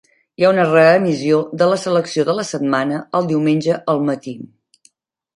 Hi ha una re-emissió de la "selecció de la setmana" el diumenge al matí.